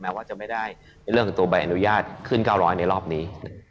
ว่าจะไม่ได้ในเรื่องของตัวใบอนุญาตขึ้น๙๐๐ในรอบนี้